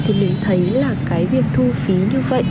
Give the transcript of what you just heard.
thì mình thấy là cái việc thu phí như vậy